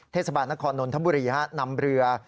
เทศบาลนครนนทบุรีนำเรือ